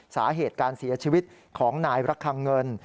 สาเหตุการเสียชีวิตของนายระคังเงิน